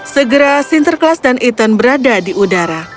segera sinterklas dan ethan berada di udara